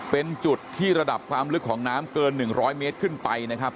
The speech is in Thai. เป็นจุดที่ระดับความลึกของน้ำเกิน๑๐๐เมตรขึ้นไปนะครับ